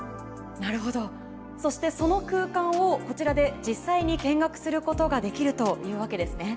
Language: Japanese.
なるほどそしてその空間をこちらで実際に見学することができるというわけですね。